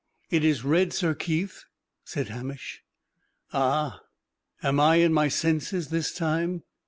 "It is red, Sir Keith," said Hamish. "Ah! Am I in my senses this time?